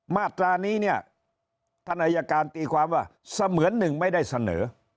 มาตรานี้เนี่ยท่านอายการตีความว่าเสมือนหนึ่งไม่ได้เสนอ